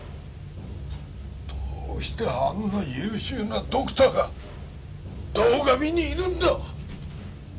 どうしてあんな優秀なドクターが堂上にいるんだ！